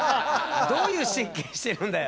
どういう神経してるんだよ。